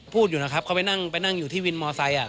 พูดอยู่นะครับเขาไปนั่งไปนั่งอยู่ที่วินมอไซค์